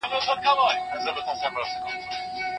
سالم ذهن آرامتیا نه خرابوي.